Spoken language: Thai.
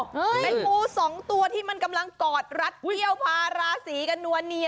แม่งงูสองตัวที่กำลังกอดรัดเตี่ยวพาราสีกระหนัวเนี่ย